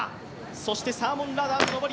そしてサーモンラダーの登り